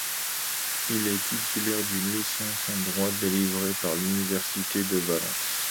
Il est titulaire d'une licence en droit délivrée par l'Université de Valence.